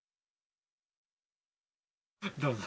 ・どうぞ。